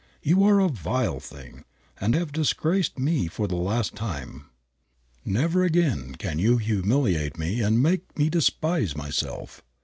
You are a vile thing, and have disgraced me for the last time. Never again can you humiliate me and make me despise myself.